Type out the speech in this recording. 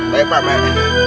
baik pak baik